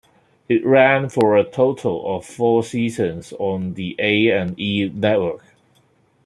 It ran for a total of four seasons on the A and E Network.